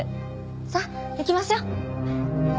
さあ行きましょう。